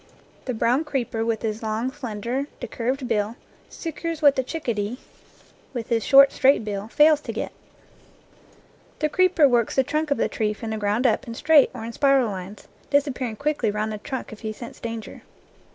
The brown creeper, with his long, slender, de curved bill, secures what the chickadee, with his 49 NEW GLEANINGS IN OLD FIELDS short, straight bill, fails to get. The creeper works the trunk of the tree from the ground up in straight or in spiral lines, disappearing quickly round the trunk if he scents danger.